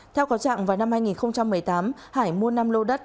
theo có trạng vào năm hai nghìn một mươi tám hải mua năm lô đất